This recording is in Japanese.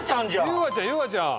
優雅ちゃん優雅ちゃん。